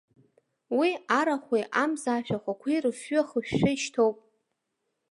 Уи, арахәи амза ашәахәақәеи рыфҩы ахышәшәа ишьҭоуп.